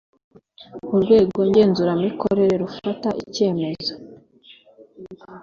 urwego ngenzuramikorere rufata icyemezo